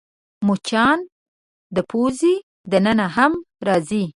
مچان د پوزې دننه هم راځي